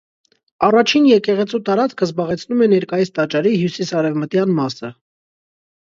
Առաջին եկեղեցու տարածքը զբաղեցնում է ներկայիս տաճարի հյուսիսարևմտյան մասը։